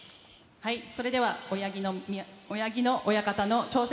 それでは宮城野親方の挑戦